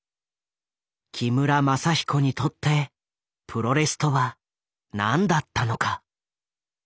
木村政彦にとってプロレスとは何だったのか。